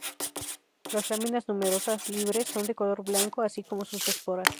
Las láminas, numerosas, libres, son de color blanco, así como sus esporas.